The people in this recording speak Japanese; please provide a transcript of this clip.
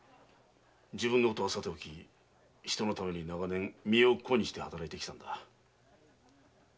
自分のことはさておき人のために長年身を粉にして働いてきたんだ。